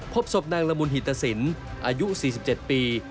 พบศพนางละมุนหิตสินอายุ๔๗ปี